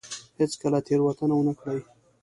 هېڅ کله تېروتنه ونه کړي.